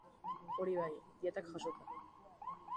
Hori bai, dietak jasota.